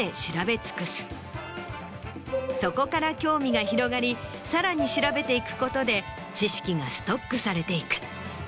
そこから興味が広がりさらに調べていくことで知識がストックされていく。